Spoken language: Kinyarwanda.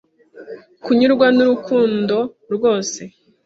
kunyurwa nurukundo rwose